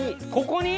ここに？